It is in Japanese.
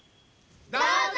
どうぞ！